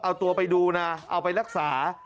เอาตัวไปดูนะเอาไปรักษา